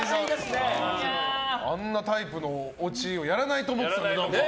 あんなタイプのオチやらないと思ってたのに。